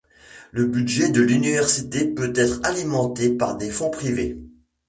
Le budget de l'université peut être alimenté par des fonds privés.